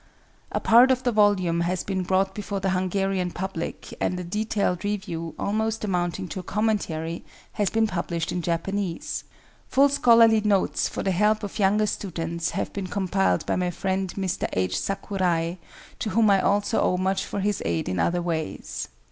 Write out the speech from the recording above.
A part of the volume has been brought before the Hungarian public and a detailed review, almost amounting to a commentary, has been published in Japanese. Full scholarly notes for the help of younger students have been compiled by my friend Mr. H. Sakurai, to whom I also owe much for his aid in other ways.